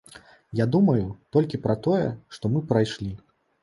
Я думаю толькі пра тое, што мы прайшлі.